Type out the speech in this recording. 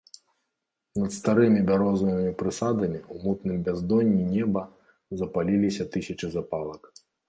Над старымі бярозавымі прысадамі ў мутным бяздонні неба запаліліся тысячы запалак.